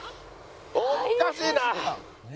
おっかしいな。